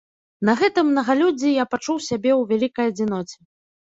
На гэтым мнагалюддзі я пачуў сябе ў вялікай адзіноце.